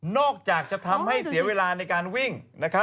อกจากจะทำให้เสียเวลาในการวิ่ง